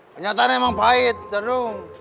ternyata memang pahit jadung